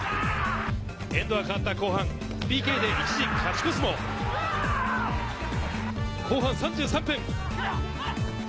エンドが変わった後半、ＰＫで一時、勝ち越すも後半３３分。